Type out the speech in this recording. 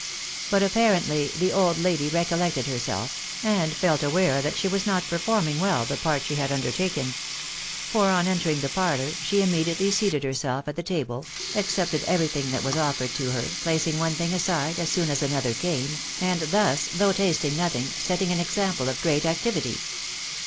But, apparently, the old lady recollected herself, and felt aware that she was not performing well the part she had undertaken ; for on entering the parlour, she immediately seated herself at the table, accepted everything that was offered to her, placing one thing aside, as soon as another came, and thus, though tasting nothing, setting an example of great activity.